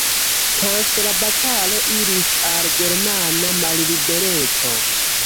Post la batalo iris al germana mallibereco.